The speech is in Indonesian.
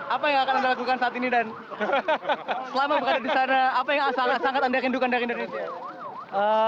apa yang akan anda lakukan saat ini dan selama berada di sana apa yang sangat anda rindukan dari indonesia